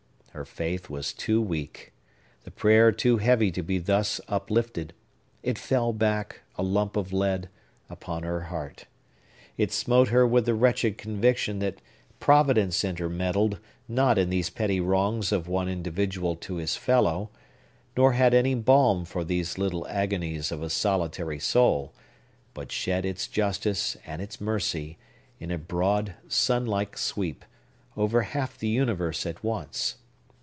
Her faith was too weak; the prayer too heavy to be thus uplifted. It fell back, a lump of lead, upon her heart. It smote her with the wretched conviction that Providence intermeddled not in these petty wrongs of one individual to his fellow, nor had any balm for these little agonies of a solitary soul; but shed its justice, and its mercy, in a broad, sunlike sweep, over half the universe at once.